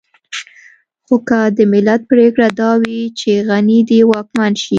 خو که د ملت پرېکړه دا وي چې غني دې واکمن شي.